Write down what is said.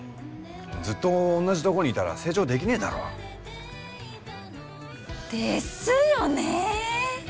ずっと同じとこにいたら成長できねえだろ？ですよね！